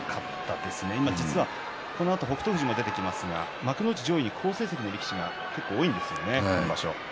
実は、このあと北勝富士が出てきますが幕内上位に好成績の力士が多いんですね。